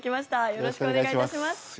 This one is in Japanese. よろしくお願いします。